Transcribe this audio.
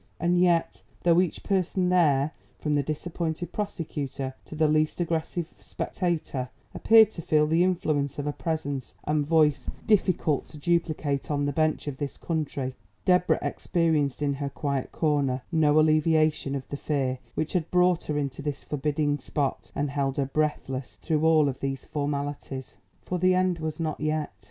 And yet, though each person there, from the disappointed prosecutor to the least aggressive spectator, appeared to feel the influence of a presence and voice difficult to duplicate on the bench of this country, Deborah experienced in her quiet corner no alleviation of the fear which had brought her into this forbidding spot and held her breathless through all these formalities. For the end was not yet.